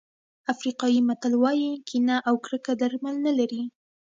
افریقایي متل وایي کینه او کرکه درمل نه لري.